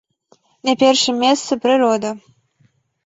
На першым месцы прырода.